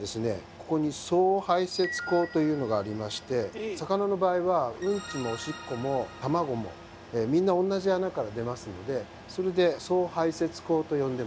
ここに「総排せつこう」というのがありまして魚の場合はうんちもおしっこも卵もみんな同じ穴から出ますのでそれで総排せつこうと呼んでます。